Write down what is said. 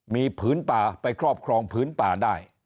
มีผืนป่าไปครอบครองผืนป่าได้